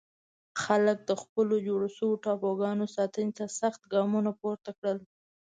خلک د خپلو جوړ شوو ټاپوګانو ساتنې ته سخت ګامونه پورته کړل.